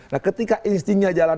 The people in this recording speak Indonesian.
nah ketika instingnya jalan